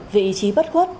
vì ý chí bất khuất